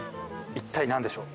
一体何でしょう？